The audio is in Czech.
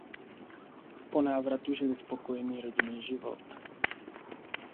Po návratu žili spokojený rodinný život.